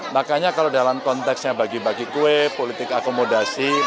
makanya kalau dalam konteksnya bagi bagi kue politik akomodasi